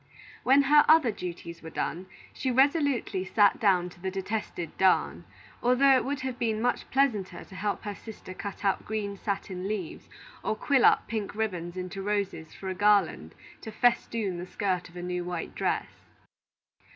When her other duties were done, she resolutely sat down to the detested darn, although it would have been much pleasanter to help her sister cut out green satin leaves and quill up pink ribbon into roses for a garland to festoon the skirt of a new white dress.